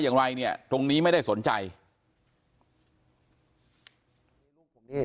อย่างไรเนี่ยตรงนี้ไม่ได้สนใจ